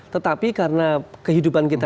tetapi karena kehidupan kita